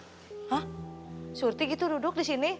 hah surti gitu duduk di sini